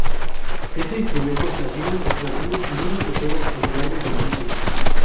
Este instrumento se afina desplazando anillos de cuero a lo largo del puente.